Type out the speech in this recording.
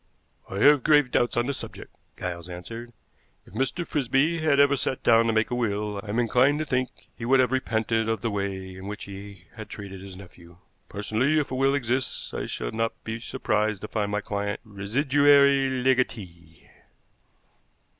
"I have grave doubts on the subject," Giles answered. "If Mr. Frisby had ever sat down to make a will, I am inclined to think he would have repented of the way in which he had treated his nephew. Personally, if a will exists, I should not be surprised to find my client residuary legatee."